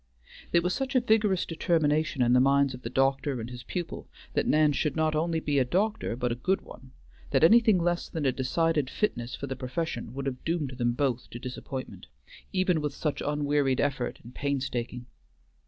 There was such a vigorous determination in the minds of the doctor and his pupil that Nan should not only be a doctor but a good one, that anything less than a decided fitness for the profession would have doomed them both to disappointment, even with such unwearied effort and painstaking.